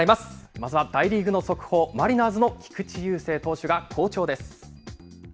まずは大リーグの速報、マリナーズの菊池雄星投手が好調です。